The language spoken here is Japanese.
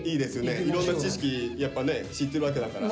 いろんな知識知ってるわけだから。